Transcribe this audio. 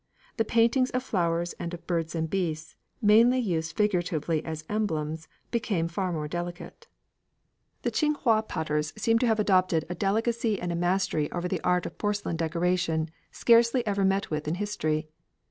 The paintings of flowers and of birds and beasts, mainly used figuratively as emblems, became far more delicate. The Ching hwa potters seem to have adopted a delicacy and a mastery over the art of porcelain decoration scarcely ever met with in history.